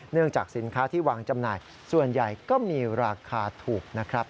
จากสินค้าที่วางจำหน่ายส่วนใหญ่ก็มีราคาถูกนะครับ